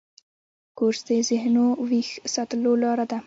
کورس د ذهنو ویښ ساتلو لاره ده.